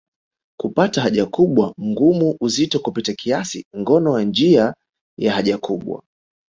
Kupata haja kubwa ngumu uzito kupita kiasi ngono ya njia ya haja kubwa